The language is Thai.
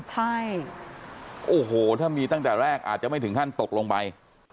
ใช่โอ้โหถ้ามีตั้งแต่แรกอาจจะไม่ถึงขั้นตกลงไป